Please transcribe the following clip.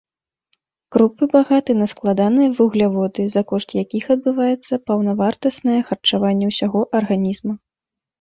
Крупы багаты на складаныя вугляводы, за кошт якіх адбываецца паўнавартаснае харчаванне ўсяго арганізма.